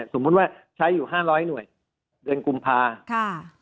สมมุติว่าใช้อยู่๕๐๐หน่วยเดือนกุมภาค่ะ